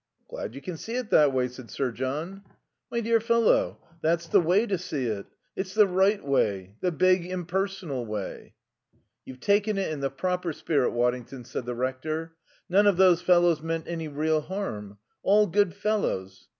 "Glad you can see it that way," said Sir John. "My dear fellow, that's the way to see it. It's the right way; the big impersonal way." "You've taken it in the proper spirit, Waddington," said the Rector. "None of those fellows meant any real harm. All good fellows....